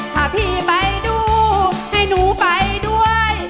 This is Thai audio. ขาพี่ไปด้วย